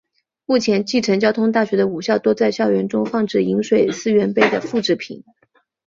目前继承交通大学的五校多在校园中放置饮水思源碑的复制品。